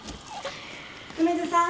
梅津さん。